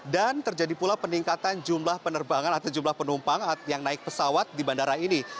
dan terjadi pula peningkatan jumlah penerbangan atau jumlah penumpang yang naik pesawat di bandara ini